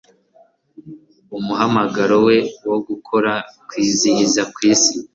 umuhamagaro we wo gukora, kwizihiza, kwisi